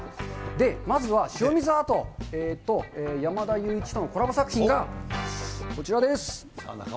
で、まずは塩水アートと山田ゆういちとのコラボ作品がこちらです。